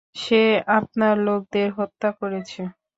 সে আপনার লোকদের হত্যা করেছে।